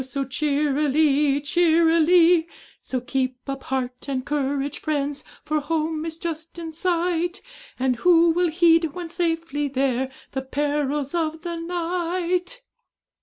so cheerily, cheerily; So keep up heart and courage, friends! For home is just in sight; And who will heed, when safely there, The perils of the night?'